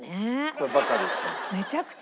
これはバカですか？